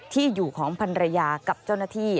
ที่อยู่ของพันรยากับเจ้าหน้าที่